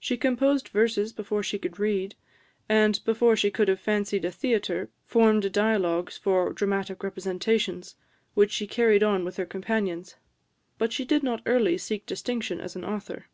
She composed verses before she could read, and, before she could have fancied a theatre, formed dialogues for dramatic representations, which she carried on with her companions. But she did not early seek distinction as an author.